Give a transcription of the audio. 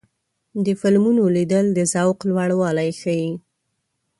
د فلمونو لیدل د ذوق لوړوالی ښيي.